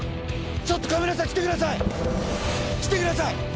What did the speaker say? ちょっとカメラさん来てください！来てください！